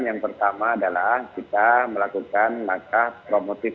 yang pertama adalah kita melakukan langkah promotif